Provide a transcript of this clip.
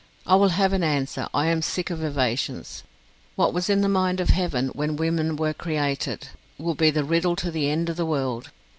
I will have an answer, I am sick of evasions. What was in the mind of Heaven when women were created, will be the riddle to the end of the world!